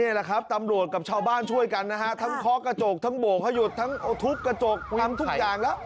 นี้ละครับตำรวจกับเช้าบ้านช่วยกันทั้งข้อกระจกทั้งโบกขยุดทั้งทุกกระจกทำทุกอย่างแล้ว